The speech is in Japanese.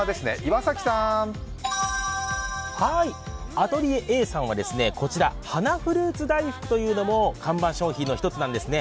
ａｔｅｌｉｅｒＡさんは、こちら花フルーツ大福というのも看板商品の１つなんですね。